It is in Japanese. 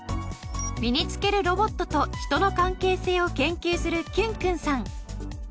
身につけるロボットと人の関係性を研究するきゅんくんさん。